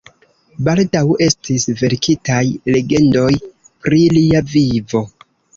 Baldaŭ estis verkitaj legendoj pri lia vivo.